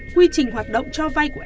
quy trình hoạt động cho vay của scb